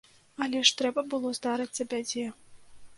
Але ж трэба было здарыцца бядзе.